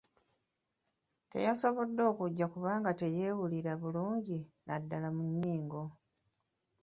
Teyasobodde kujja kubanga teyeewuira bulungi naddala mu nnyingo.